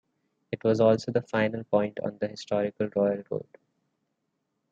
It was also the final point on the historical Royal Road.